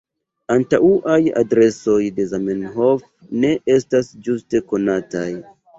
Antaŭaj adresoj de Zamenhof ne estas ĝuste konataj.